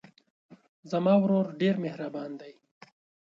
زما ورور ډېر مهربان دی.